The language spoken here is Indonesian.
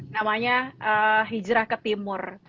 namanya hijrah ke timur